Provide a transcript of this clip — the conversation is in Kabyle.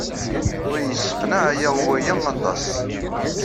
Ur iyi-sseqneɛ aya waya aṭas.